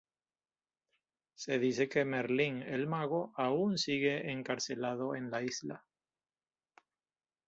Se dice que Merlín el Mago aún sigue encarcelado en la isla.